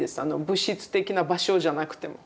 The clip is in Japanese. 物質的な場所じゃなくても。